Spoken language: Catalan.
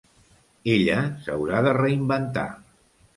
Ella s’haurà de reinventar.